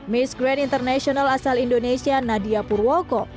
miss grand international asal indonesia nadia purwoko